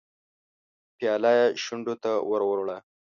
پياله يې شونډو ته ور وړه.